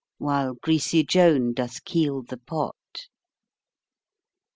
While greasy Joan doth keel the pot.